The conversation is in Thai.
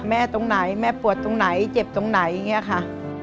ตรงไหนแม่ปวดตรงไหนเจ็บตรงไหนอย่างนี้ค่ะ